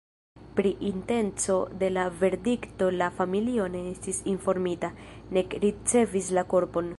Pri intenco de la verdikto la familio ne estis informita, nek ricevis la korpon.